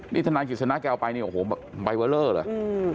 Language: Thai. นี่ทนาคิดสนาแกเอาไปใบเวอร์เลอร์หรือ